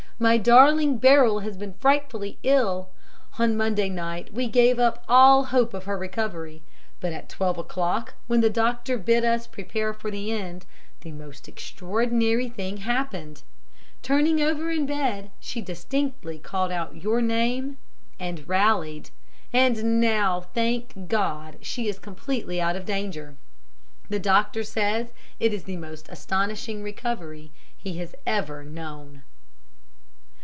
'My darling Beryl has been frightfully ill. On Monday night we gave up all hope of her recovery, but at twelve o'clock, when the doctor bid us prepare for the end, the most extraordinary thing happened. Turning over in bed, she distinctly called out your name, and rallied. And now, thank God, she is completely out of danger. The doctor says it is the most astonishing recovery he has ever known.'